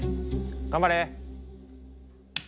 頑張れ！